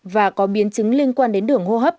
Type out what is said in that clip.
và có biến chứng liên quan đến đường hô hấp